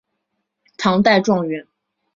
唐代状元。